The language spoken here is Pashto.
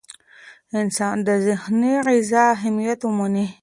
انسان باید د ذهني غذا اهمیت ومني.